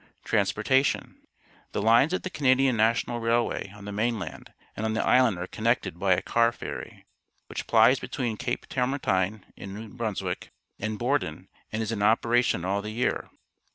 . Transportation. — The lines of the Canadian National Railway on the mainland and on the island are connected by a Car Ferry, which plies between Cape Tormentine in New Brunswick, and Borden, and is in operation all the year.